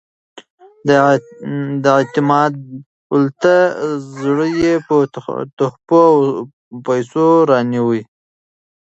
د اعتمادالدولة زړه یې په تحفو او پیسو رانیوی.